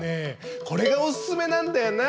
これがおすすめなんだよな。